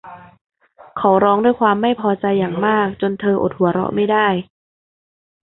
เขาร้องด้วยความไม่พอใจอย่างมากจนเธออดหัวเราะไม่ได้